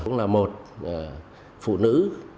cũng là một phụ nữ